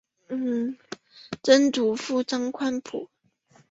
曾祖父张宽甫。